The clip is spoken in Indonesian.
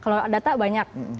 kalau data banyak